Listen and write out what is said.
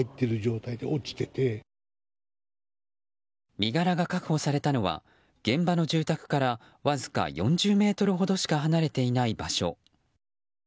身柄が確保されたのは現場の住宅からわずか４０ｍほどしか離れていない場所。